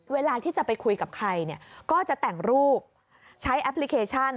เวลาที่จะไปคุยกับใครเนี่ยก็จะแต่งรูปใช้แอปพลิเคชัน